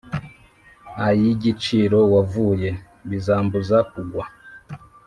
ay'igiciro wavuye; bizambuza kugwa.